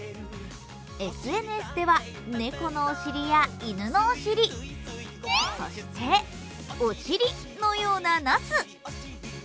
ＳＮＳでは、猫のお尻や犬のお尻、そして、お尻のようななす。